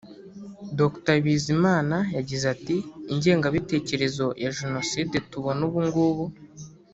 Dr Bizimana yagize ati”Ingengabitekerezo ya Jenoside tubona ubu ngubu